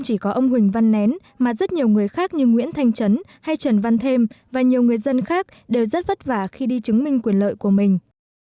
chỉ có ông huỳnh văn nén mà rất nhiều người khác như nguyễn thanh trấn hay trần văn thêm và nhiều người dân khác đều rất vất vả khi đi chứng minh quyền lợi của mình